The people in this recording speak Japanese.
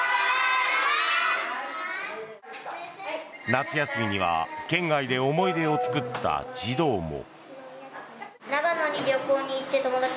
夏休みには県外で思い出を作った児童も。